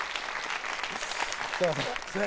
すいません。